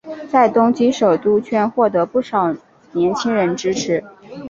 在东京首都圈获得不少年轻人支持。